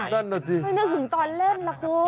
ไม่นึกถึงตอนเล่นละคุณ